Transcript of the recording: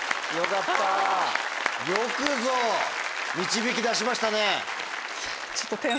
よかった！